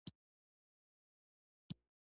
د یوه دولت استازی پر خپل سر مشوره ورکوي.